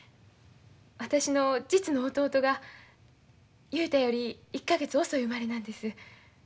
私の実の弟が雄太より１か月遅い生まれなんです。